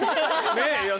ねえ。